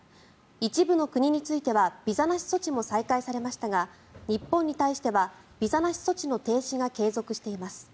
一部の国についてはビザなし措置も再開されましたが日本に対してはビザなし措置の停止が継続しています。